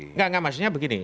enggak enggak maksudnya begini